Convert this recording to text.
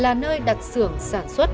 là nơi đặt sưởng sản xuất